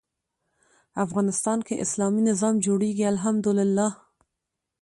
افغانستان کې اسلامي نظام جوړېږي الحمد لله.